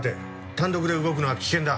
単独で動くのは危険だ。